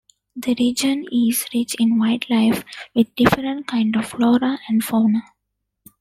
The region is rich in wildlife with different kind of flora and fauna.